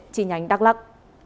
chi nhánh đắk lắc